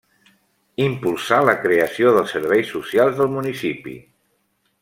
Impulsà la creació dels serveis socials del municipi.